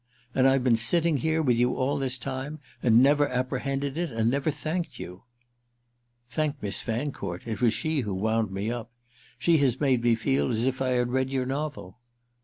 —and I've been sitting here with you all this time and never apprehended it and never thanked you!" "Thank Miss Fancourt—it was she who wound me up. She has made me feel as if I had read your novel."